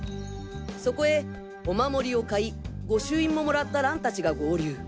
そこへお守りを買い御朱印ももらった蘭達が合流。